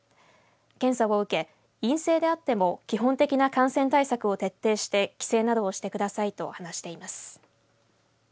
検査を受け陰性であっても基本的な感染対策を徹底して帰省などをしてくださいと話しています。